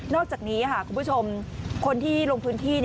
อกจากนี้คุณผู้ชมคนที่ลงพื้นที่